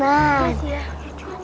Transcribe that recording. iya sih ya